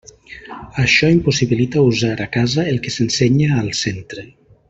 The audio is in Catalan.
Això impossibilita usar a casa el que s'ensenya al centre.